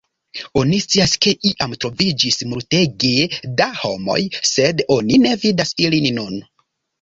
Oni scias ke iam troviĝis multege da homoj, sed oni ne vidas ilin nun.